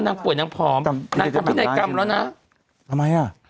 นางป่วยนางผอมนางทำพินัยกรรมแล้วนะทำไมอ่ะ